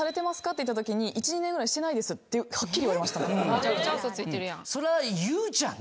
って言ったときに「１２年ぐらいしてないです」ってはっきり言われましたもん。